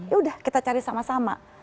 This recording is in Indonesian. yaudah kita cari sama sama